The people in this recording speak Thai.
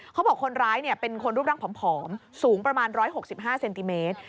คนร้ายเป็นคนรูปร่างผอมสูงประมาณ๑๖๕เซนติเมตร